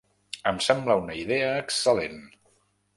Em sembla una idea excel·lent.